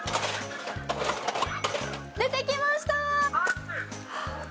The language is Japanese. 出てきました！